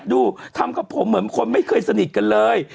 ดูทำกับผมเหมือนคนไม่เคยสนิทกันเลย